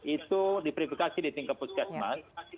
itu diverifikasi di tingkat puskesmas